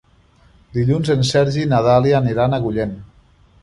Dilluns en Sergi i na Dàlia aniran a Agullent.